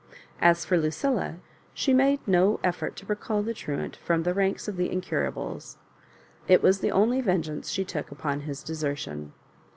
As for Lucilla, she made no effort to recall the truant from the ranks of the Incurables. It was the only vengeance she took upon his desertion.